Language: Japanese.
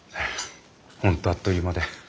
本当あっという間で。